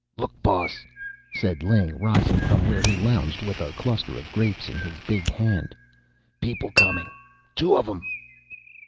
"Look, boss," said Ling, rising from where he lounged with a cluster of grapes in his big hand. "People coming two of 'em."